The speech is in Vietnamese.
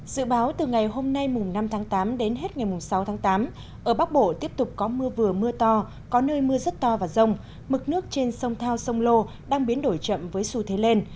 dự báo từ ngày hôm nay năm tháng tám đến hết ngày sáu tháng tám ở bắc bộ tiếp tục có mưa vừa mưa to có nơi mưa rất to và rông mực nước trên sông thao sông lô đang biến đổi chậm với xu thế lên